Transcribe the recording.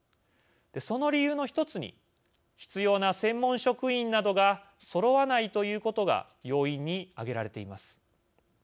その理由の１つに必要な専門職員などがそろわないということが要因に挙げられています。